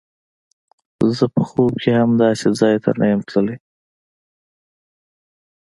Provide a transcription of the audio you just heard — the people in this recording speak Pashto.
زه په خوب کښې هم داسې ځاى ته نه وم تللى.